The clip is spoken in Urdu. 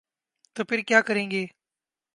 تو پھر کیا کریں گے؟